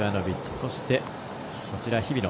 そして日比野。